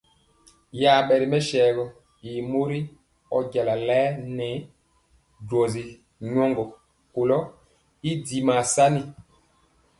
Yabe ri mɛsaogɔ y mori ɔjala laɛ nɛɛ joji nyegɔ kolo y dimaa sani.